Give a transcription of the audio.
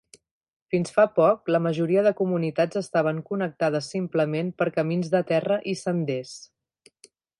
Fins fa poc, la majoria de comunitats estaven connectades simplement per camins de terra i senders.